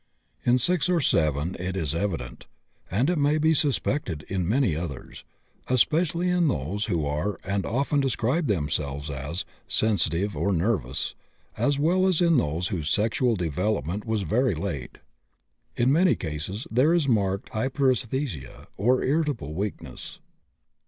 In 6 or 7 it is evident, and it may be suspected in many others, especially in those who are, and often describe themselves as, "sensitive" or "nervous," as well as in those whose sexual development was very late. In many cases there is marked hyperesthesia, or irritable weakness.